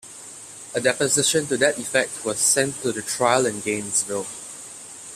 A deposition to that effect was sent to the trial in Gainesville.